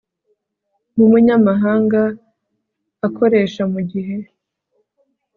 rw umunyamahanga akoresha mu gihe